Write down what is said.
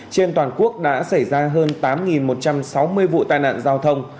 trên toàn quốc đã xảy ra hơn tám một trăm sáu mươi vụ tai nạn giao thông